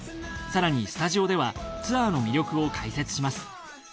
更にスタジオではツアーの魅力を解説します。